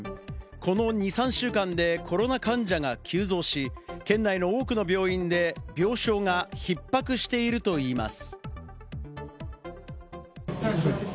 この２３週間でコロナ患者が急増し、県内の多くの病院で病床がひっ迫しているといいます。